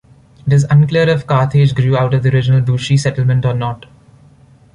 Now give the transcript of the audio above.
It is unclear if Carthage grew out of the original Bouchie settlement or not.